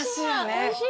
おいしい。